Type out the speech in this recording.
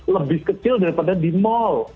lebih kecil daripada di mal